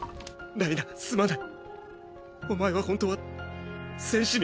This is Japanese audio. ライナーすまない！